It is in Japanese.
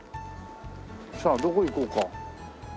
さあどこ行こうか？